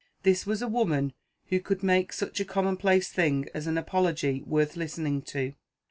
This was a woman who could make such a commonplace thing as an apology worth listening to.